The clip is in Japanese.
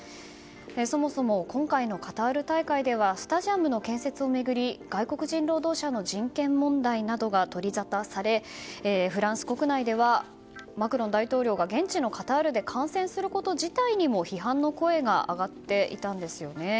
そもそも今回のカタール大会ではスタジアムの建設を巡り外国人労働者の人権問題などが取りざたされフランス国内ではマクロン大統領が現地のカタールで観戦すること自体にも批判の声が上がっていたんです。